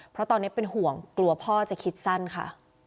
เพราะตอนนี้เป็นห่วงกลัวพ่อจะคิดสั้นค่ะ